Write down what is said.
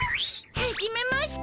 はじめまして。